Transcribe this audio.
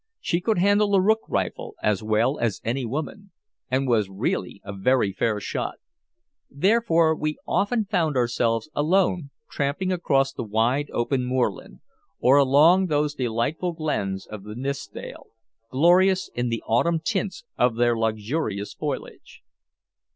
She could handle a rook rifle as well as any woman, and was really a very fair shot. Therefore we often found ourselves alone tramping across the wide open moorland, or along those delightful glens of the Nithsdale, glorious in the autumn tints of their luxurious foliage.